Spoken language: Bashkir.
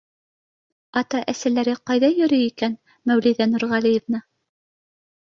— Ата-әсәләре ҡайҙа йөрөй икән, Мәүлиҙә Нурғәлиевна?